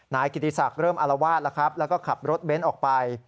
นายกิตติศักดิ์เริ่มอลวาดแล้วก็ขับรถเบนต์ออกไป